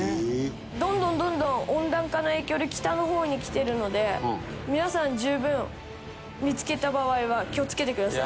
どんどんどんどん温暖化の影響で北の方に来てるので皆さん十分見付けた場合は気を付けてください。